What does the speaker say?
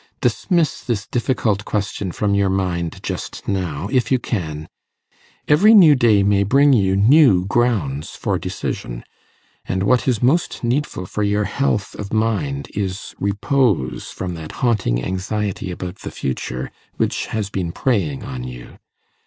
Dismiss this difficult question from your mind just now, if you can. Every new day may bring you new grounds for decision, and what is most needful for your health of mind is repose from that haunting anxiety about the future which has been preying on you.